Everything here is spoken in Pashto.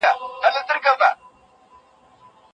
تر هغه چي دا نړۍ وي د غریبانو قدر نسته.